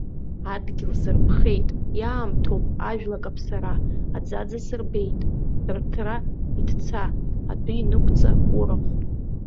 Адгьыл сырԥхеит, иаамҭоуп ажәла акаԥсара, аӡаӡа сырбеит, рыҭра иҭца, адәы инықәҵа урахә.